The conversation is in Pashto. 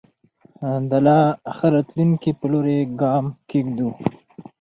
د لا ښه راتلونکي په لوري ګام کېږدو.